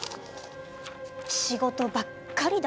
仕事ばっかりだ。